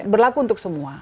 berlaku untuk semua